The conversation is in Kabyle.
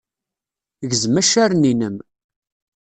Gzem accaren-innem.